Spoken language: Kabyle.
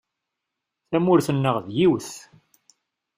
Tamurt-nneɣ d yiwet!